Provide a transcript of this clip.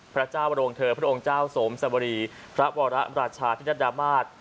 พระเจ้าวรวงเธอพระองค์เจ้าโสมสวรีพระวรรชาธิดตุรกฏรรมาตร